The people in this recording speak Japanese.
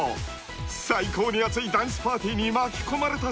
［最高に熱いダンスパーティーに巻き込まれた３人］